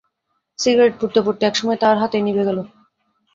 Cigarette পুড়তে-পুড়তে একসময় তাঁর হাতেই নিতে গেল।